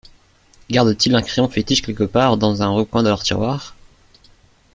Gardent-ils un crayon fétiche quelque part dans un recoin de leur tiroir?